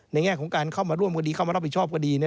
แง่ของการเข้ามาร่วมคดีเข้ามารับผิดชอบคดี